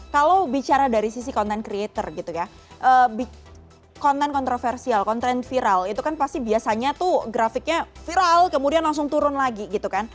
kalau bicara dari sisi content creator gitu ya konten kontroversial konten viral itu kan pasti biasanya tuh grafiknya viral kemudian langsung turun lagi gitu kan